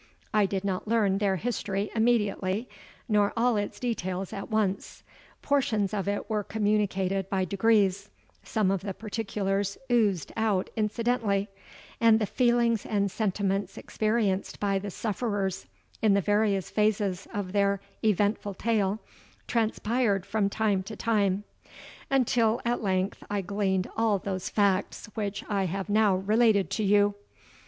I did not learn their history immediately—nor all its details at once: portions of it were communicated by degrees—some of the particulars oozed out incidentally—and the feelings and sentiments experienced by the sufferers in the various phases of their eventful tale, transpired from time to time,—until at length I gleaned all those facts which I have now related to you.